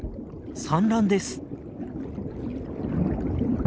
産卵です。